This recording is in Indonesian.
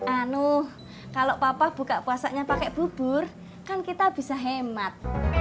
anu kalau papa buka puasanya pakai bubur kan kita bisa hemat